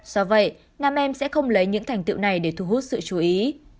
do vậy nam em sẽ không lấy những thành tiệu này để thu hút sự chú ý